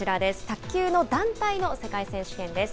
卓球の団体の世界選手権です。